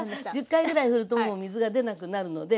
１０回ぐらい振るともう水が出なくなるので。